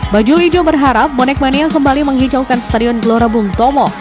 baju hijau berharap bonek mania kembali menghijaukan stadion gelora bung tomo